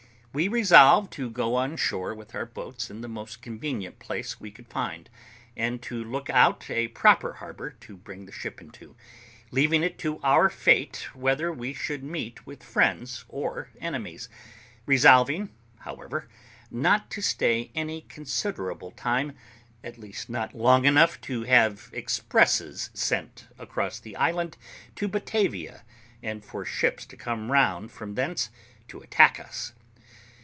We resolved to go on shore with our boats in the most convenient place we could find, and to look out a proper harbour to bring the ship into, leaving it to our fate whether we should meet with friends or enemies; resolving, however, not to stay any considerable time, at least not long enough to have expresses sent across the island to Batavia, and for ships to come round from thence to attack us.